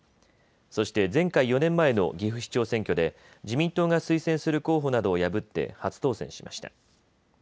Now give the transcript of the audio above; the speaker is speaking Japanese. そして前回・４年前の岐阜市長選挙で自民党が推薦する候補などを破って初当選しました。